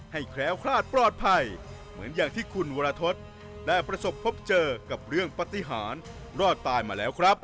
แคล้วคลาดปลอดภัยเหมือนอย่างที่คุณวรทศได้ประสบพบเจอกับเรื่องปฏิหารรอดตายมาแล้วครับ